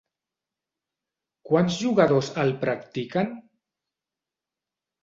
Quants jugadors el practiquen?